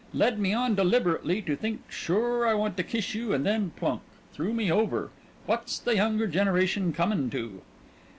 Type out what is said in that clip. Led me on deliberately to think sure I want to kiss you and then plunk! Threw me over! What's the younger generation comin' to?"